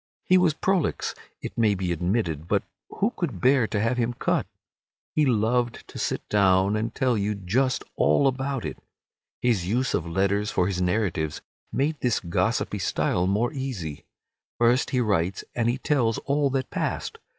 He was prolix, it may be admitted, but who could bear to have him cut? He loved to sit down and tell you just all about it. His use of letters for his narratives made this gossipy style more easy. First he writes and he tells all that passed.